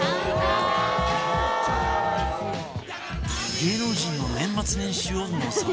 芸能人の年末年始をのぞき見